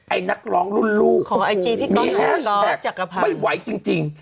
ไอ้นักร้องรุ่นลูกมีแฮชแท็กไม่ไหวจริง